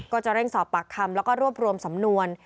ก็จะเร่งสอบปากคำแล้วก็รวบรวมสำนวน